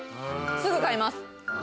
すぐ買います！